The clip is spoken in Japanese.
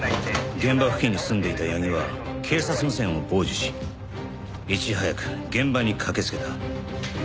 現場付近に住んでいた矢木は警察無線を傍受しいち早く現場に駆けつけた。